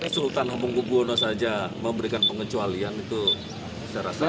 sultana bungku buwono saja memberikan pengecualian itu secara secara secara secaranya